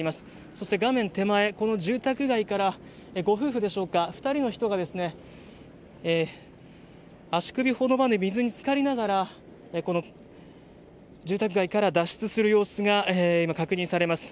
そして画面手前この住宅街からご夫婦でしょうか２人の人が足首ほどまで水に漬かりながら住宅街から脱出する様子が今、確認できます。